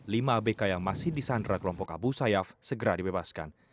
lima abk yang masih disandra kelompok abu sayyaf segera dibebaskan